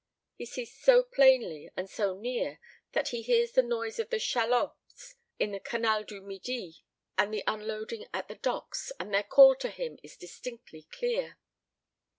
He sees so plainly and so near that he hears the noise of the shallops in the Canal du Midi, and the unloading at the docks; and their call to him is distinctly clear.